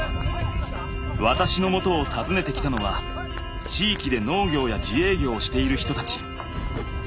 私のもとを訪ねてきたのは地域で農業や自営業をしている人たち。